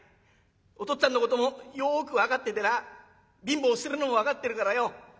お父っつぁんのこともよく分かっててな貧乏してるのも分かってるからよ